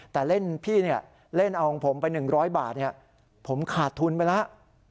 แต่เล่นพี่เล่นเอาของผมไป๑๐๐บาทผมขาดทุนไปแล้ว